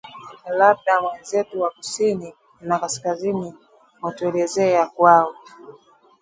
Labda wenzetu wa kusini na kaskazini watuelezee ya kwao